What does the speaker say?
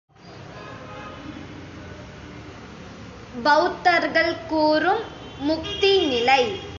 பௌத்தர்கள் கூறும் முக்தி நிலை.